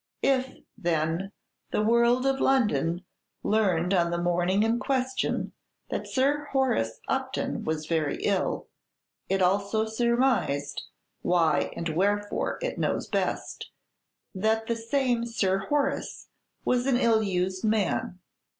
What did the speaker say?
If, then, the world of London learned on the morning in question that Sir Horace Upton was very ill, it also surmised why and wherefore it knows best that the same Sir Horace was an ill used man.